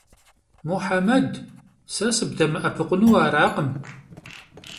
Мухьэмэд, сэ сыбдэмыӀэпыкъуну аракъым.